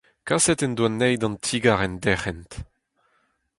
Kaset en doa anezhi d'an ti-gar en derc'hent.